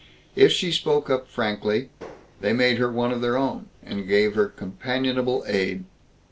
If she spoke up frankly, they made her one of their own, and gave her companionable aid.